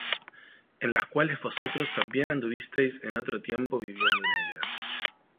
En las cuales vosotros también anduvisteis en otro tiempo viviendo en ellas.